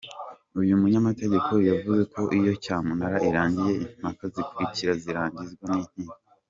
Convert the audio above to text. Uyu munyamategeko yavuze ko iyo cyamunara irangiye, impaka zikurikira zirangizwa n’inkiko.